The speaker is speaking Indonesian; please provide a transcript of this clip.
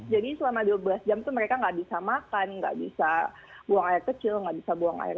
jadi selama dua belas jam tuh mereka nggak bisa makan nggak bisa buang air kecil nggak bisa buang air